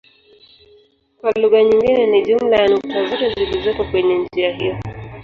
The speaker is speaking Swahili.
Kwa lugha nyingine ni jumla ya nukta zote zilizopo kwenye njia hiyo.